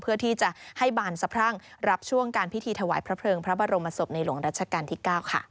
เพื่อที่จะให้บานสะพรั่งรับช่วงการพิธีถวายพระเพลิงพระบรมศพในหลวงรัชกาลที่๙ค่ะ